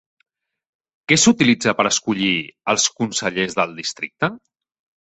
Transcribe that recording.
Què s'utilitza per escollir els consellers de districte?